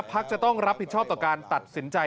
จะต้องรับผิดชอบต่อการตัดสินใจ